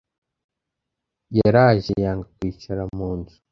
yaraje yanga kwicara mu nzu